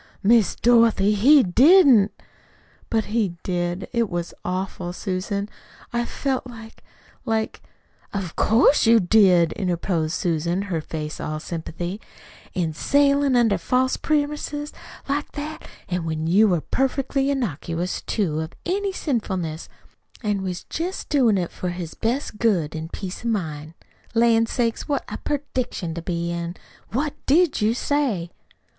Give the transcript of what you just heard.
"Miss Dorothy, he didn't!" "But he did. It was awful, Susan. I felt like like " "Of course you did," interposed Susan, her face all sympathy, "a sailin' under false premises like that, an' when you were perfectly innocuous, too, of any sinfulness, an' was jest doing it for his best good an' peace of mind. Lan' sakes, what a prediction to be in! What DID you say?"